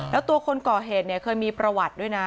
แล้วตัวคนก่อเหตุเนี่ยเคยมีประวัติด้วยนะ